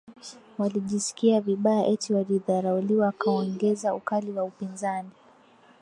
walijisikia vibaya eti walidharauliwa wakaongeza ukali wa upinzani